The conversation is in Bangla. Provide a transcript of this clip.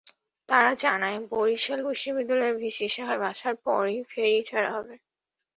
তারা জানায়, বরিশাল বিশ্ববিদ্যালয়ের ভিসি সাহেব আসার পরই ফেরি ছাড়া হবে।